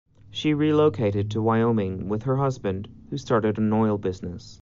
She relocated to Wyoming with her husband, who started an oil business.